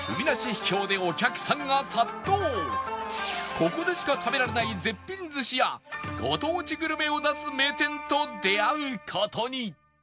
ここでしか食べられない絶品寿司やご当地グルメを出す名店と出会う事に